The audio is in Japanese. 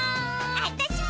わたしも！